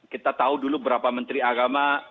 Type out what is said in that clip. kita tahu dulu beberapa menteri agama